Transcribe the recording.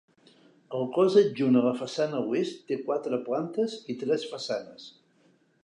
El cos adjunt a la façana oest té quatre plantes i tres façanes.